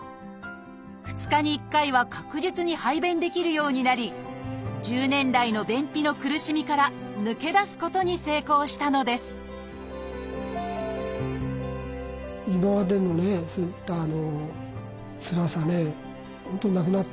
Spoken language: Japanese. ２日に１回は確実に排便できるようになり１０年来の便秘の苦しみから抜け出すことに成功したのですはあ！